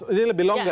ini lebih longga